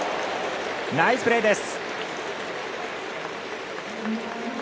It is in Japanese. ナイスプレーです。